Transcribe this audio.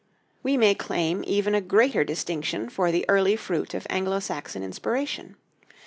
We may claim even a greater distinction for the early fruit of Anglo Saxon inspiration.